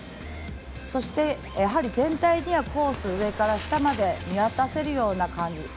そして、全体ではコース上から下まで見渡せるような感じ